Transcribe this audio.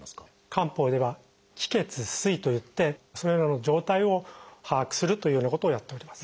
漢方では「気・血・水」といってそれらの状態を把握するというようなことをやっております。